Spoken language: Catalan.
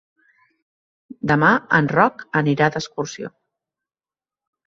Demà en Roc anirà d'excursió.